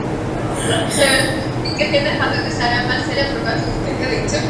Geologia ikerketek jatorriz haran bat zela frogatu dute.